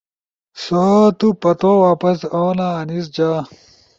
سو تو پتو واپس اونا! انیس جا۔ ا